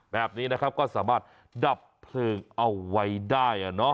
แบบนี้นะครับก็สามารถดับเพลิงเอาไว้ได้